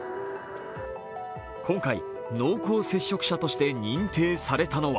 今回、濃厚接触者として認定されたのは